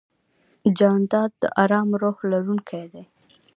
جانداد د ارام روح لرونکی دی.